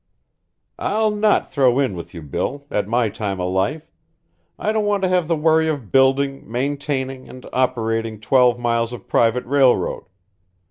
"I'll not throw in with you, Bill, at my time of life, I don't want to have the worry of building, maintaining, and operating twelve miles of private railroad.